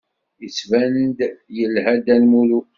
Yettban-d yelha Dda Lmulud.